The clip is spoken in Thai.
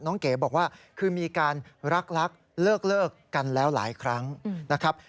เก๋บอกว่าคือมีการรักเลิกกันแล้วหลายครั้งนะครับ